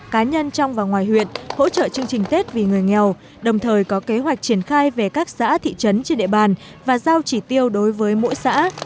cá nhân trong và ngoài huyện hỗ trợ chương trình tết vì người nghèo đồng thời có kế hoạch triển khai về các xã thị trấn trên địa bàn và giao chỉ tiêu đối với mỗi xã